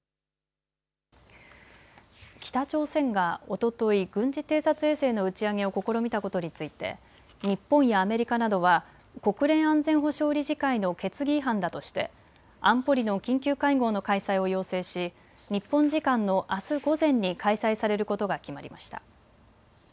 北朝鮮がおととい軍事偵察衛星の打ち上げを試みたことについて日本やアメリカなどは国連安全保障理事会の決議違反だとして安保理の緊急会合の開催を要請し、日本時間のあす午前に開催されることが決まりました。